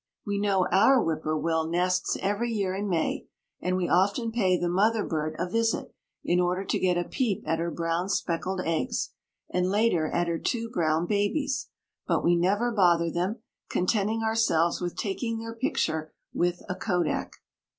We know where our whippoorwill nests every year in May, and we often pay the mother bird a visit in order to get a peep at her brown speckled eggs, and later at her two brown babies; but we never bother them, contenting ourselves with taking their picture with a kodak.